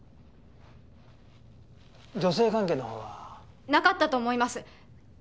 女性関係の方は？なかったと思います。